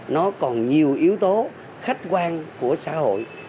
nó còn nhiều yếu tố khách quan của xã hội